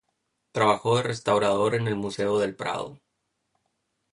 Trabajó de restaurador en el Museo del Prado.